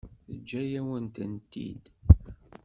Teǧǧa-yawen-tent-id.